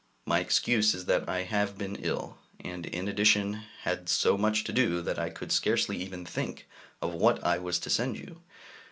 My excuse is that I have been ill, and in addition had so much to do, that I could scarcely even think of what I was to send you.